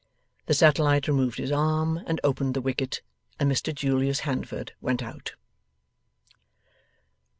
The satellite removed his arm and opened the wicket, and Mr Julius Handford went out.